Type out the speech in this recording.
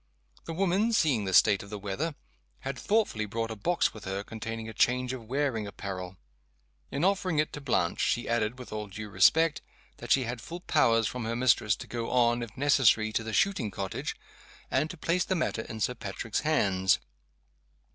The woman seeing the state of the weather had thoughtfully brought a box with her, containing a change of wearing apparel. In offering it to Blanche, she added, with all due respect, that she had full powers from her mistress to go on, if necessary, to the shooting cottage, and to place the matter in Sir Patrick's hands.